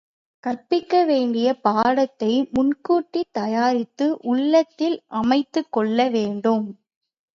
கற்பிக்க வேண்டிய பாடத்தை முன்கூட்டித் தயாரித்து உள்ளத்தில் அமைத்துக் கொள்ள வேண்டும்.